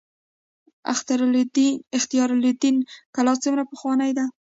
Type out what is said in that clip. اختیار الدین کلا څومره پخوانۍ ده؟